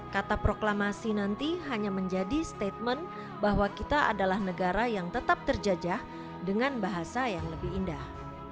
kata proklamasi nanti hanya menjadi statement bahwa kita adalah negara yang tetap terjajah dengan bahasa yang lebih indah